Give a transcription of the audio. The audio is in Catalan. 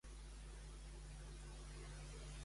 La Fiscalia demana dos anys de presó per a ells.